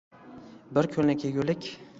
Bir kunlik yegulik